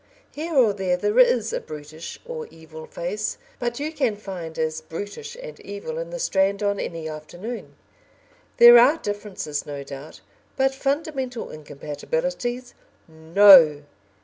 Here or there is a brutish or evil face, but you can find as brutish and evil in the Strand on any afternoon. There are differences no doubt, but fundamental incompatibilities no!